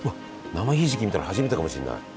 生ひじき見たの初めてかもしんない。